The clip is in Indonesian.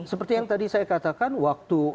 seperti yang tadi saya katakan waktu